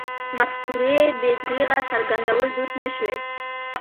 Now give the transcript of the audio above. مفکورې بې درېغه څرګندول دود نه شوی.